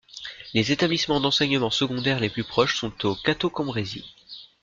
Les établissements d'enseignement secondaire les plus proches sont au Cateau-Cambrésis.